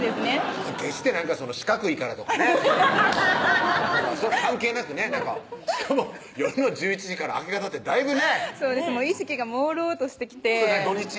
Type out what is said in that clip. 決して四角いからとかね関係なくねしかも夜の１１時から明け方ってだいぶね意識がもうろうとしてきて土日？